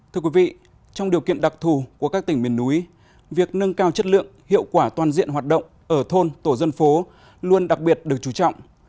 thưa quý vị trong điều kiện đặc thù của các tỉnh miền núi việc nâng cao chất lượng hiệu quả toàn diện hoạt động ở thôn tổ dân phố luôn đặc biệt được chú trọng